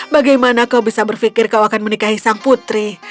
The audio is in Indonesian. bagaimana kau bisa berpikir kau akan menikahi sang putri